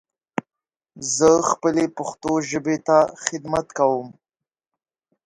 زه خپلې پښتو ژبې ته خدمت کوم.